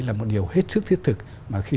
là một điều hết sức thiết thực mà khi